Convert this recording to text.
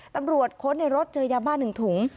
ตำรวจคดในรถเจอยาบ้าน๑ถุง